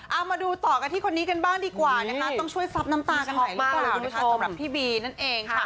เอามาดูต่อกันที่คนนี้กันบ้างดีกว่าต้องช่วยซับน้ำตากันใหญ่ของพี่บีนั่นเอง